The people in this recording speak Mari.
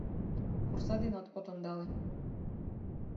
Пурса денат от ондале.